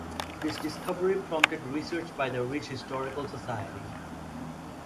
This discovery prompted research by the Ridge Historical Society.